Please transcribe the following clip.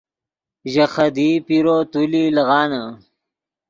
ژے خدیئی پیرو تولی لیغانے